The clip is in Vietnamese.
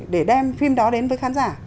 để đem phim đó đến với khán giả